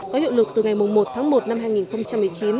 có hiệu lực từ ngày một tháng một năm hai nghìn một mươi chín